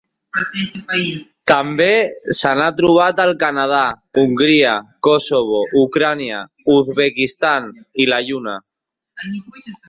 També se n'ha trobat al Canadà, Hongria, Kosovo, Ucraïna, Uzbekistan i la Lluna.